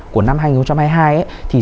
của năm hai nghìn hai mươi hai thì